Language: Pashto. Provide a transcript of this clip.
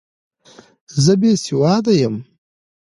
زه بې سواده یم!